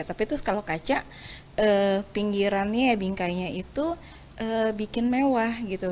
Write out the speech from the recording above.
tapi kalau kaca pinggirannya bingkainya itu bikin mewah gitu